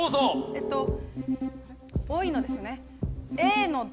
えっと多いのですよね？